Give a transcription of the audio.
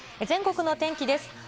全国の天気です。